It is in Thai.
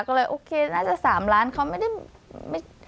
ก็เลยโอเคน่าจะ๓ล้านเขาไม่ได้